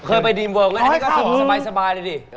เคยไปดีมเวิร์กก็นี่ก็สบายเลยดิ